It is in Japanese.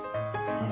うん。